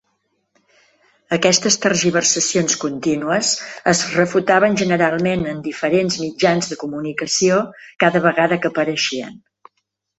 Aquestes tergiversacions contínues es refutaven generalment en diferents mitjans de comunicació cada vegada que apareixien.